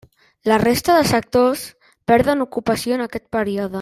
La resta de sectors perden ocupació en aquest període.